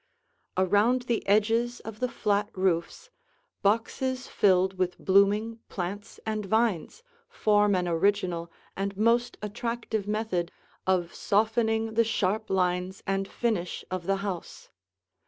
Around the edges of the flat roofs, boxes filled with blooming plants and vines form an original and most attractive method of softening the sharp lines and finish of the house.